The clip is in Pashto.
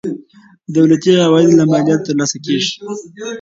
دولتي عواید له مالیاتو ترلاسه کیږي.